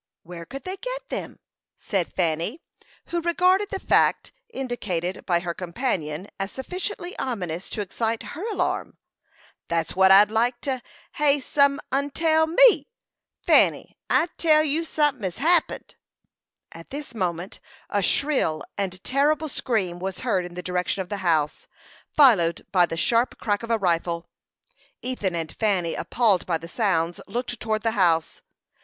"Where could they get them?" said Fanny, who regarded the fact indicated by her companion as sufficiently ominous to excite her alarm. "That's what I'd like to hev some 'un tell me. Fanny, I tell you sunthin' hes happened." At this moment a shrill and terrible scream was heard in the direction of the house, followed by the sharp crack of a rifle. Ethan and Fanny, appalled by the sounds, looked towards the house.